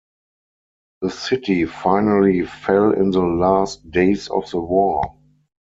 The city finally fell in the last days of the war.